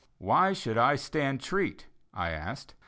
"Why should I stand treat?" I asked.